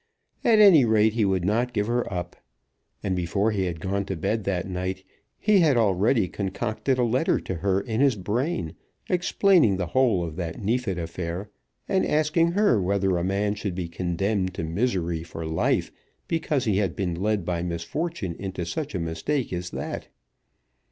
At any rate he would not give her up, and before he had gone to bed that night he had already concocted a letter to her in his brain, explaining the whole of that Neefit affair, and asking her whether a man should be condemned to misery for life because he had been led by misfortune into such a mistake as that.